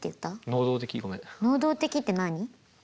能動的って何？